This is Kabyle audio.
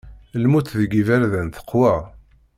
Lmut deg yiberdan teqwa.